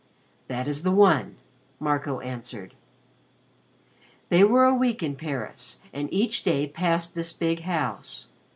"That is the one," Marco answered. They were a week in Paris and each day passed this big house.